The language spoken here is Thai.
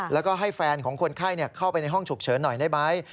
แล้วก็ให้แฟนของคนไข้เข้าไปในห้องฉุกเฉินหน่อยได้ไหม